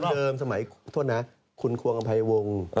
ยูกตะเติมสมัยขุนควงอภัยวงว์